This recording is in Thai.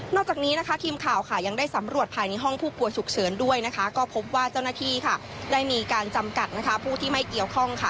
นอกจากนี้นะคะทีมข่าวค่ะ